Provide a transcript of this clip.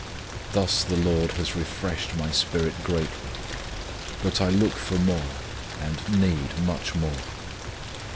"Thus the Lord has refreshed my spirit greatly; but I look for more, and need much more.